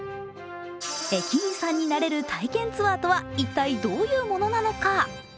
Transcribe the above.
駅員さんになれる体験ツアーとは一体どういうものなのか。